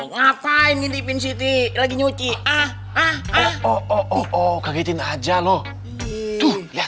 ngapain ini pinsiti lagi nyuci ah ah oh oh kagetin aja loh tuh lihat